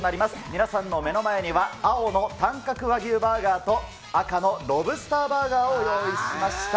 皆さんの目の前には、青の短角和牛バーガーと、赤のロブスターバーガーを用意しました。